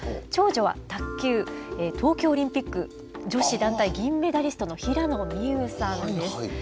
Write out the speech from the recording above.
長女は卓球東京オリンピック女子団体銀メダリストの平野美宇さんです。